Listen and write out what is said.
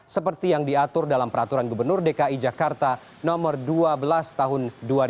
seperti yang diatur dalam peraturan gubernur dki jakarta nomor dua belas tahun dua ribu dua puluh